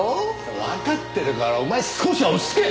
わかってるからお前少しは落ち着け！